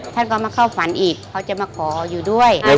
ท่านก็มาเข้าฝันอีกเขาจะมาขออยู่ด้วย